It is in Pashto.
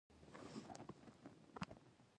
بُست د هلمند يوه ډېره تاريخي سیمه ده.